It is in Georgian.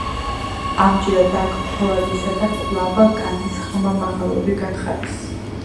ამჯერად აქ ფოლადისა და კვლავ კალის ღრმა მაღაროები გათხარეს.